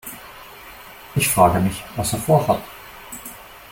Ich frage mich, was er vorhat.